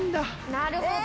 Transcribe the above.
なるほど。